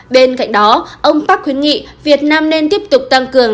bên cạnh đó ông park khuyến nghị việt nam nên tiếp tục tăng cường